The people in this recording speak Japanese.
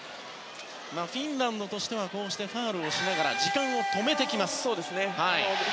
フィンランドとしてはこうしてファウルをしながら時間を止めてきます。